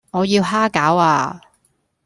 我要蝦餃呀